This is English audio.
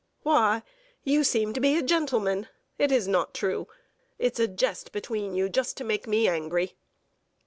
"Why, you seem to be a gentleman. It is not true! It's a jest between you just to make me angry."